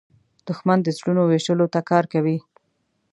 دښمن د زړونو ویشلو ته کار کوي